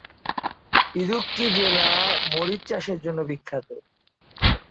ইদুক্কি জেলা মরিচ চাষের জন্য বিখ্যাত।